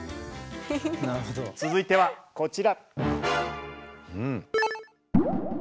続いてはこちら。